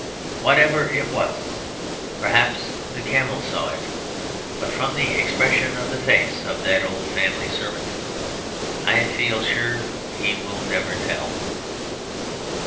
Whatever it was, perhaps the camel saw it; but from the expression on the face of that old family servant, I feel sure that he will never tell.